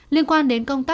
liên quan đến công tác